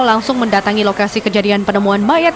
langsung mendatangi lokasi kejadian penemuan mayat